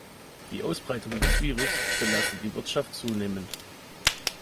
Die Ausbreitung des Virus belastet die Wirtschaft zunehmend.